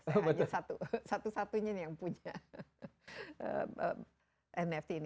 saya hanya satu satunya yang punya nft ini